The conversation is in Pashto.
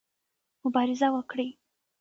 مبارزه وکړئ.